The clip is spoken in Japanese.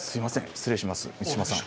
失礼します満島さん。